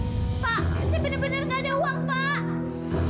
pak ini benar benar nggak ada uang pak